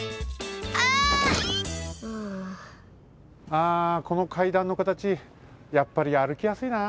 ああこの階段の形やっぱりあるきやすいな。